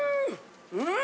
うん！